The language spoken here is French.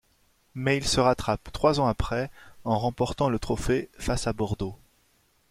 Mais, il se rattrape trois ans après, en remportant le trophée, face à Bordeaux.